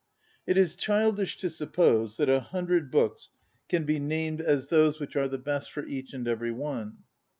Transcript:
It is childish to suppose that a hundred books can be named as ON READING those which are the best for each and every one.